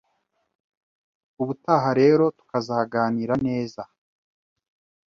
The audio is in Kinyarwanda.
Ubutaha rero tukazaganira neza